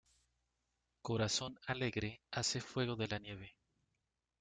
Corazón alegre hace fuego de la nieve.